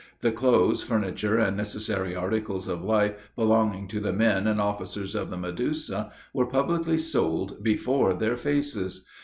The clothes, furniture, and necessary articles of life belonging to the men and officers of the Medusa, were publicly sold before their faces.